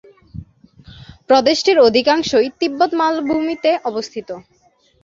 প্রদেশটির অধিকাংশই তিব্বত মালভূমিতে অবস্থিত।